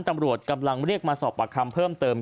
ตำรวจกำลังเรียกมาสอบปากคำเพิ่มเติม